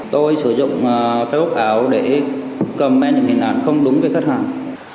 tôi sử dụng facebook ảo để comment những hình ảnh không đúng với khách hàng